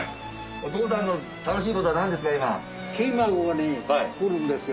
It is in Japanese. お父さんの楽しいことは何ですか？